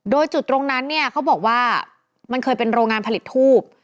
โดยจุดตรงนั้นเนี่ยเขาบอกว่ามันเคยเป็นโรงงานผลิตทูบ